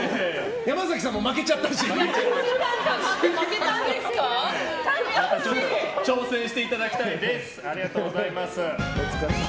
山崎さんも負けちゃったし。